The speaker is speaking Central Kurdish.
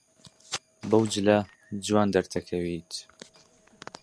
بەو جلە جوان دەردەکەوێت.